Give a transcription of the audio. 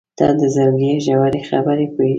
• ته د زړګي ژورې خبرې پوهېږې.